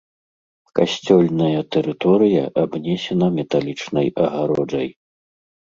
Касцёльная тэрыторыя абнесена металічнай агароджай.